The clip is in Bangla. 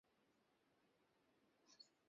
দাঁড়াও, এক মিনিট অপেক্ষা কর।